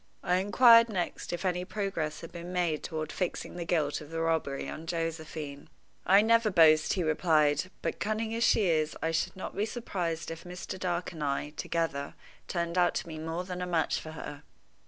I inquired next if any progress had been made toward fixing the guilt of the robbery on Josephine. "I never boast," he replied. "But, cunning as she is, I should not be surprised if Mr. Dark and I, together, turned out to be more than a match for her."